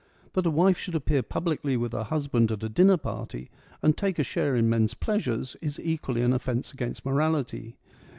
That a wife should appear publicly with her husband at a dinner party, and take a share in men's pleasures, is equally an offence against morality.